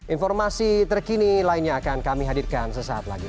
informasi terkini lainnya akan kami hadirkan sesaat lagi